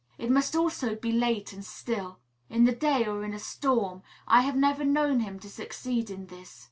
It must also be late and still. In the day, or in a storm, I have never known him to succeed in this.